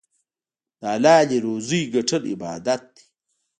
د حلالې روزۍ ګټل عبادت دی.